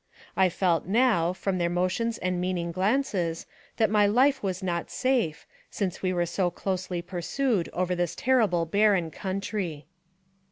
I felt now, from their motions and meaning glances, that my life was not safe, since we were so closely pursued over this terrible barren country.